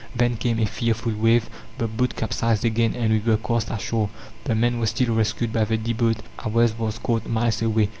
Then came a fearful wave, the boat capsized again, and we were cast ashore. The men were still rescued by the D. boat, ours was caught miles away.